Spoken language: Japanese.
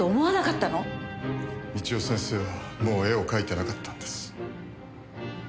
美千代先生はもう絵を描いてなかったんです。